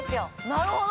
◆なるほど。